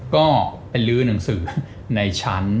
ก็ไปลื้อหนังสือในชั้น